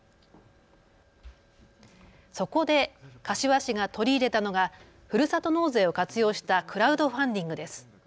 そこで柏市が取り入れたのがふるさと納税を活用したクラウドファンディングです。